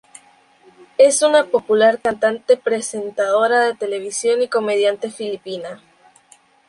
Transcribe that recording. Es una popular cantante, presentadora de televisión y comediante filipina.